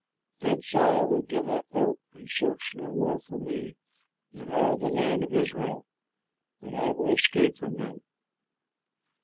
Then Saul will give up hope and search no more for me in all the land of Israel; and so I will escape from him."